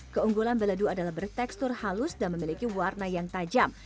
keunggulan beledu adalah bertekstur halus dan memiliki warna yang tajam